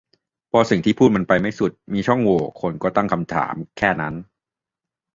พอสิ่งที่พูดมันไปไม่สุด มีช่องโหว่ คนก็ตั้งคำถาม แค่นั้น